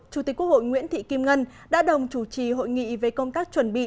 chủ tịch quốc hội nguyễn thị kim ngân đã đồng chủ trì hội nghị về công tác chuẩn bị